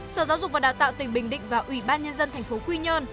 sở giáo dục và đào tạo tỉnh bình định và ủy ban nhân dân thành phố quy nhơn